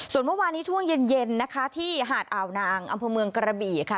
ส่วนเมื่อวานนี้ช่วงเย็นนะคะที่หาดอ่าวนางอำเภอเมืองกระบี่ค่ะ